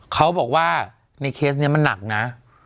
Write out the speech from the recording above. เขาบอกว่าในเคสนี้มันหนักนะ